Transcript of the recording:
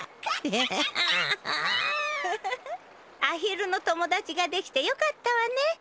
アヒルの友だちができてよかったわね